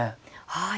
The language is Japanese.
はい。